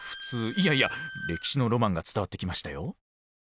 いやいや歴史のロマンが伝わってきましたよ。